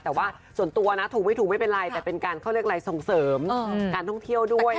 แต่ว่าส่วนตัวนะถูกไม่ถูกไม่เป็นไรแต่เป็นการเขาเรียกอะไรส่งเสริมการท่องเที่ยวด้วย